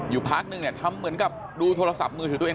พักนึงเนี่ยทำเหมือนกับดูโทรศัพท์มือถือตัวเอง